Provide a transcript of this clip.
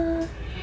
sama om baik juga